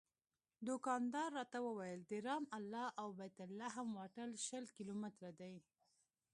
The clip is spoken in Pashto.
دوکاندار راته وویل د رام الله او بیت لحم واټن شل کیلومتره دی.